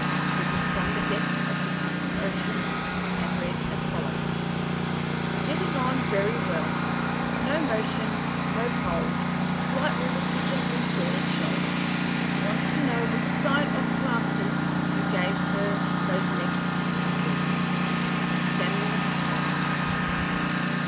It was from the depths of the Arctic Ocean, and read as follows: "Getting on very well. No motion. Not cold. Slight rheumatism in Sarah's shoulder. Wants to know which side of plasters you gave her goes next skin, "SAMUEL BLOCK."